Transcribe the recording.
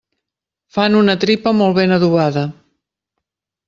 Fan una tripa molt ben adobada.